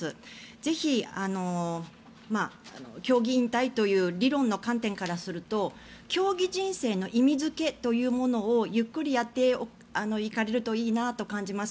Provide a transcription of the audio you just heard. ぜひ、競技引退という理論の観点からすると競技人生の意味付けというものをゆっくりやっていかれるといいなと感じます。